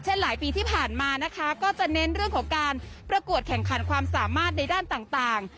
หลายปีที่ผ่านมานะคะก็จะเน้นเรื่องของการประกวดแข่งขันความสามารถในด้านต่าง